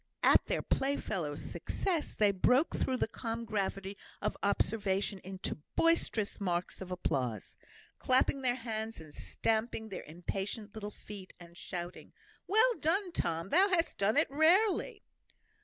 At their playfellow's success, they broke through the calm gravity of observation into boisterous marks of applause, clapping their hands, and stamping their impatient little feet, and shouting, "Well done, Tom; thou hast done it rarely!"